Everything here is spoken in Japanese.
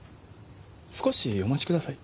少しお待ちください。